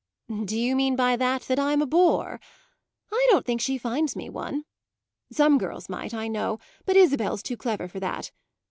"Do you mean by that that I'm a bore? I don't think she finds me one. Some girls might, I know; but Isabel's too clever for that.